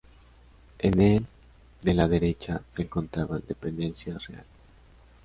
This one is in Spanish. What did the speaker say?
En el de la derecha se encontraban dependencias reales.